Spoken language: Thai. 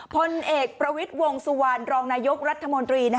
พลเอกประวิทย์วงสุวรรณรองนายกรัฐมนตรี